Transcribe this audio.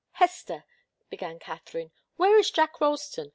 "Hester," began Katharine, "where is Jack Ralston?